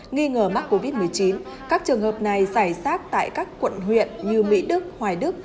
nghi ngờ mắc covid một mươi chín các trường hợp này giải sát tại các quận huyện như mỹ đức hoài đức